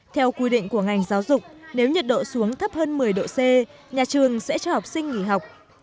theo quy định của ngành giáo dục nếu nhiệt độ xuống thấp hơn một mươi độ c nhà trường sẽ cho học sinh nghỉ học